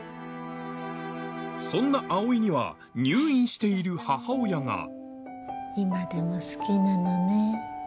そんな葵には入院している母親が今でも好きなのね。